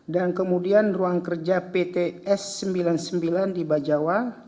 dan kemudian ruang kerja pts sembilan puluh sembilan di bajawa